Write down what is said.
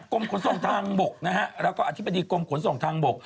กรมขนส่งทางบกนะฮะแล้วก็อธิบดีกรมขนส่งทางบก